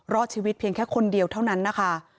รอดชีวิตเพียงแค่คนเดียวเท่านั้นนะคะ